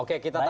oke kita tahan